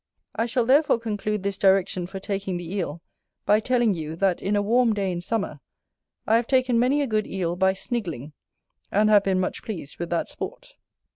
I shall therefore conclude this direction for taking the Eel, by telling you, that in a warm day in summer, I have taken many a good Eel by Snigling, and have been much pleased with that sport.